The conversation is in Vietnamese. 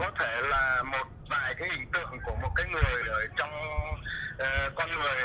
có thể là một vài cái ảnh tượng của một cái người ở trong con người nằm ở trong làng